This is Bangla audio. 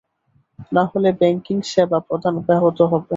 না হলে ব্যাংকিং সেবা প্রদান ব্যাহত হবে।